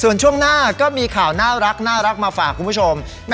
ส่วนช่วงหน้าก็มีข่าวน่ารักมาฝากคุณผู้ชม